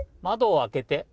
窓を開けて。